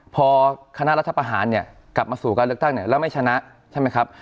พอคณะรัฐประหารกลับมาสู่การเลือกตั้งแล้วไม่ชนะ